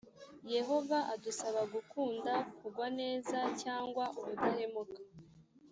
yehova adusaba gukunda kugwa neza cyangwa ubudahemuka